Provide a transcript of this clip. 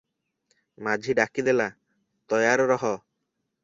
ମାଝି ଡାକି ଦେଲା, 'ତୟାରରହ' ।